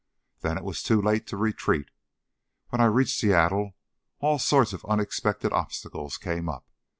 Then it was too late to retreat. When I reached Seattle, all sorts of unexpected obstacles came up.